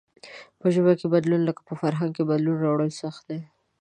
په ژبه کې بدلون لکه په فرهنگ کې بدلون راوړل سخت دئ.